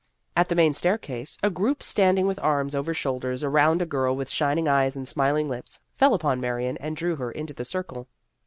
At the main staircase, a group stand ing with arms over shoulders around a girl with shining eyes and smiling lips, fell upon Marion and drew her into the circle.